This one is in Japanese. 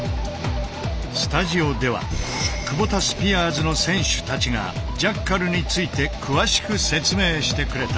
スタジオではクボタスピアーズの選手たちがジャッカルについて詳しく説明してくれた。